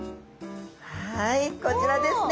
はいこちらですね。